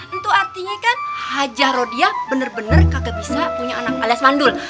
itu artinya kan haji rodiah bener bener kagak bisa punya anak alias mandul